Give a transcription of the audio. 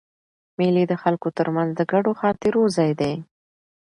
مېلې د خلکو تر منځ د ګډو خاطرو ځای دئ.